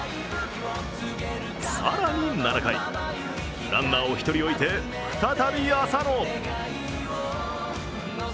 更に７回、ランナーを１人置いて、再び浅野。